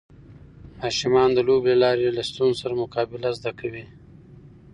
ماشومان د لوبو له لارې له ستونزو سره مقابله زده کوي.